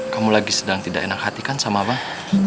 kamu lagi sedang tidak enak hati kan sama abang